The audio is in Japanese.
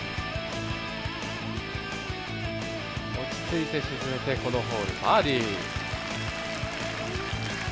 落ち着いて沈めてこのホール、バーディー。